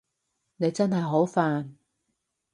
你真係好煩